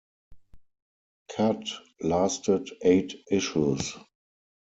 "Cud" lasted eight issues.